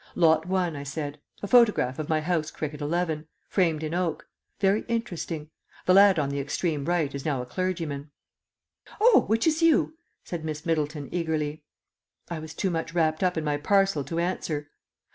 "Lot One," I said. "A photograph of my house cricket eleven, framed in oak. Very interesting. The lad on the extreme right is now a clergyman." "Oh, which is you?" said Miss Middleton eagerly. I was too much wrapped up in my parcel to answer.